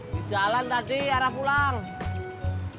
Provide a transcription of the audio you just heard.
di jalan tadi arah pulang